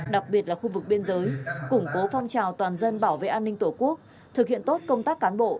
đặc biệt là khu vực biên giới củng cố phong trào toàn dân bảo vệ an ninh tổ quốc thực hiện tốt công tác cán bộ